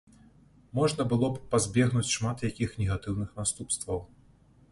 Можна было б пазбегнуць шмат якіх негатыўных наступстваў.